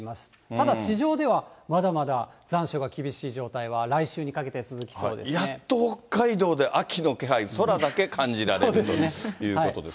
ただ地上ではまだまだ残暑が厳しい状態は来週にかけて続きそうでやっと北海道で秋の気配、空だけ感じられるということですね。